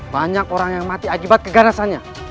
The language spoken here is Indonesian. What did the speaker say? banyak orang yang mati akibat keganasannya